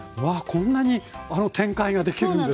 こんなに展開ができるんですね。